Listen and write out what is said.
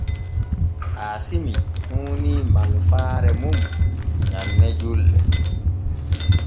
Aasimi huunii malfaare mum nyanne julɗe.